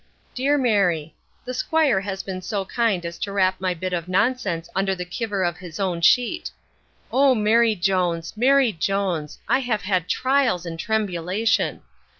DEAR MARY, The 'squire has been so kind as to rap my bit of nonsense under the kiver of his own sheet O, Mary Jones! Mary Jones! I have had trials and trembulation.